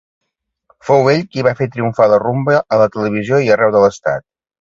Fou ell qui va fer triomfar la rumba a la televisió i arreu de l'estat.